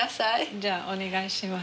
じゃあお願いします。